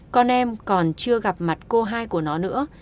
con em còn chưa gặp mặt cô hai của nó nữa